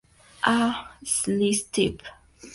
A: Leslie Stephen.